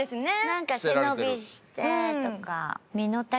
なんか背伸びしてとか。